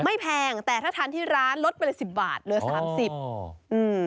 แพงแต่ถ้าทานที่ร้านลดไปเลยสิบบาทเหลือสามสิบอ๋ออืม